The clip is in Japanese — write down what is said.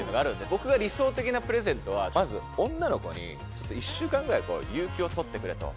僕が理想的なプレゼントはまず女の子にちょっと１週間ぐらい有休を取ってくれと。